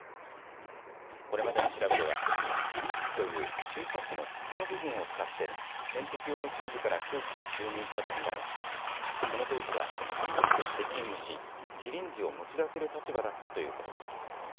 これまでの調べではシリンジという注射器の筒の部分を使って点滴用のチューブから空気を注入したと見られこの当時は看護師として勤務しシリンジを持ち出せる立場だったということです。